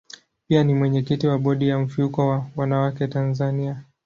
Pia ni mwenyekiti wa bodi ya mfuko wa wanawake Tanzania.